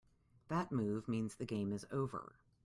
That move means the game is over.